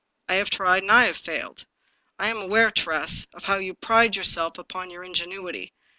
I have tried, and I have failed. I am aware, Tress, of how you pride yourself upon your in genuity.